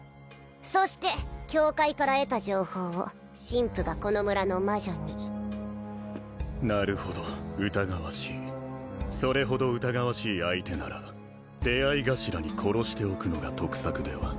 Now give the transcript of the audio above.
そして教会から得た情報を神父がこの村の魔女になるほど疑わしいそれほど疑わしい相手なら出会い頭に殺しておくのが得策では？